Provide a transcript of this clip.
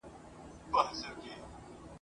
دې ویاله کي اوبه تللي سبا بیا پکښی بهېږي ..